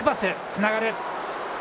つながる。